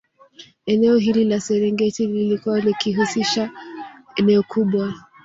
Eneo hili la Serengeti lilikuwa likihusisha eneo kubwa